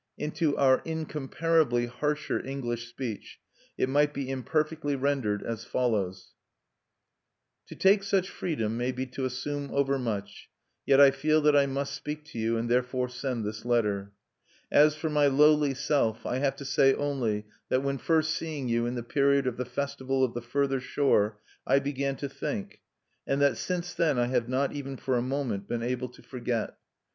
Into our incomparably harsher English speech it might be imperfectly rendered as follows: _To take such freedom may be to assume overmuch; yet I feel that I must speak to you, and therefore send this letter. As for my lowly self, I have to say only that when first seeing you in the period of the Festival of the Further Shore, I began to think; and that since then I have not, even for a moment, been able to forget.